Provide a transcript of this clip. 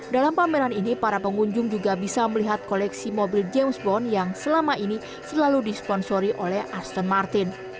dalam pameran ini para pengunjung juga bisa melihat koleksi mobil james bond yang selama ini selalu disponsori oleh asten martin